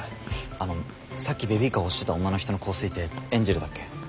あのさっきベビーカーを押してた女の人の香水ってエンジェルだっけ？